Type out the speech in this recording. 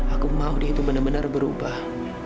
aku mau dia itu bener bener berubah